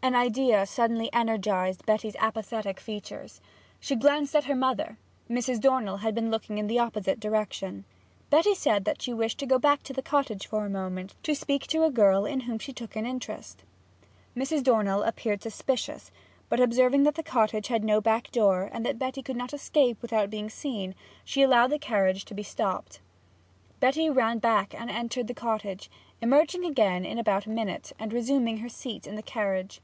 An idea suddenly energized Betty's apathetic features. She glanced at her mother; Mrs. Dornell had been looking in the opposite direction. Betty said that she wished to go back to the cottage for a moment to speak to a girl in whom she took an interest. Mrs. Dornell appeared suspicious, but observing that the cottage had no back door, and that Betty could not escape without being seen, she allowed the carriage to be stopped. Betty ran back and entered the cottage, emerging again in about a minute, and resuming her seat in the carriage.